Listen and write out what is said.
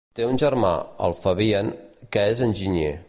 Té un germà, el Fabien, que és enginyer.